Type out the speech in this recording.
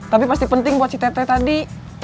tapi pasti penting buat si teteh tadi